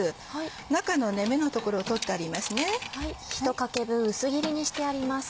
中の芽の所を取ってありますね。